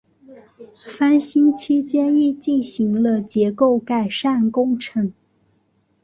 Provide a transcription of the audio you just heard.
翻新期间亦进行了结构改善工程。